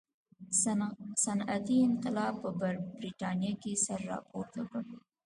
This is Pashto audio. صنعتي انقلاب په برېټانیا کې سر راپورته کړي.